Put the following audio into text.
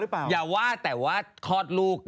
แปลง